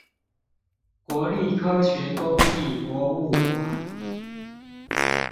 國立科學工藝博物館